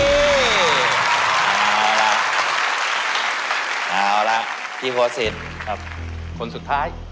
เอาล่ะพี่โฮซิตคนสุดท้าย